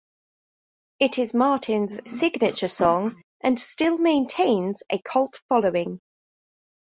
It is Martin's signature song and still maintains a cult following.